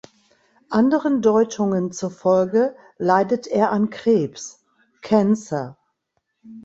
Anderen Deutungen zufolge leidet er an Krebs "Cancer".